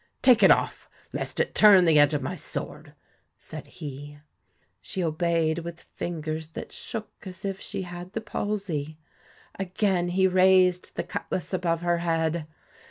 'Take it off, lest it turn the edge of my sword,' said he. She obeyed with fingers that shook as if she had the palsy. Again he raised the cutlass above her head.